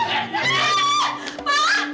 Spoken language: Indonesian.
jangan ini males sekali